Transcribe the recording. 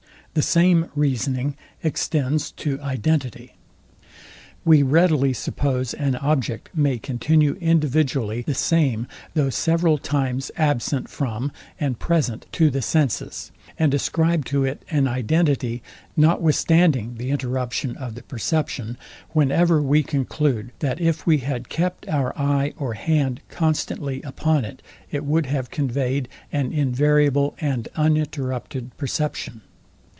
The same reasoning extends to identity. We readily suppose an object may continue individually the same, though several times absent from and present to the senses; and ascribe to it an identity, notwithstanding the interruption of the perception, whenever we conclude, that if we had kept our eye or hand constantly upon it, it would have conveyed an invariable and uninterrupted perception.